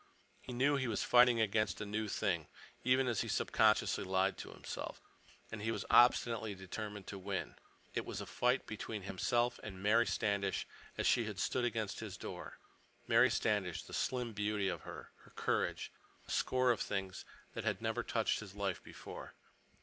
He knew he was fighting against a new thing, even as he subconsciously lied to himself. And he was obstinately determined to win. It was a fight between himself and Mary Standish as she had stood against his door. Mary Standish—the slim beauty of her—her courage—a score of things that had never touched his life before.